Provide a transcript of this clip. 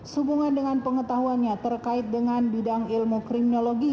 sehubungan dengan pengetahuannya terkait dengan bidang ilmu kriminologi